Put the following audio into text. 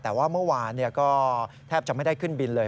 แต่ว่าเมื่อวานก็แทบจะไม่ได้ขึ้นบินเลย